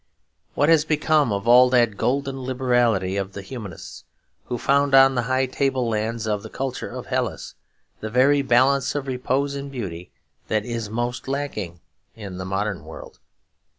What has become of all that golden liberality of the Humanists, who found on the high tablelands of the culture of Hellas the very balance of repose in beauty that is most lacking in the modern world?